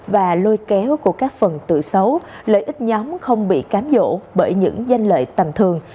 và lôi kéo của các phần tự xấu lợi ích nhóm không bị cám dỗ bởi những danh lợi tầm thường